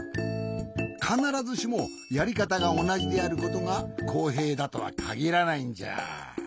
かならずしもやりかたがおなじであることがこうへいだとはかぎらないんじゃ。